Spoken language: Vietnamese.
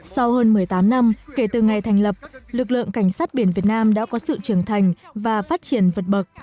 sau hơn một mươi tám năm kể từ ngày thành lập lực lượng cảnh sát biển việt nam đã có sự trưởng thành và phát triển vượt bậc